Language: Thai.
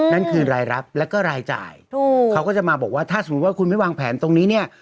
นั่นคือรายรับแล้วก็รายจ่ายถูกเขาก็จะมาบอกว่าถ้าสมมุติว่าคุณไม่วางแผนตรงนี้เนี่ย